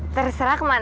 terserah ke mana